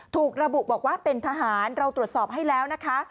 ถูกระบุบอกว่าเป็นทหารเราตรวจสอบให้แล้วนะคะ